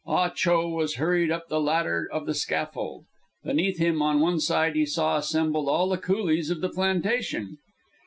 Ah Cho was hurried up the ladder of the scaffold. Beneath him on one side he saw assembled all the coolies of the plantation.